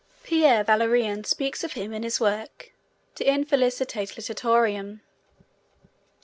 Pierre Valerien speaks of him in his work 'de infelicitate litteratorum'.